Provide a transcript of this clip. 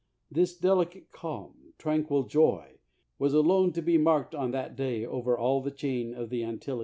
This delicate, calm, tranquil joy was alone to be marked on that day over all the chain of the Antilles.